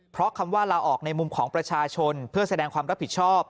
เพราะคำว่าลาออกในมุมของประชาชนเพื่อแสดงความรับผิดชอบ